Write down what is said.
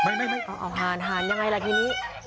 เอาหานหานยังไงละทีนี้